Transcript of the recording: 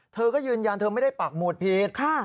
เธอก็ยืนยันเธอไม่ได้ปากหมุดผิด